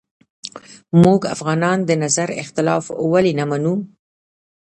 موږ افغانان د نظر اختلاف ولې نه منو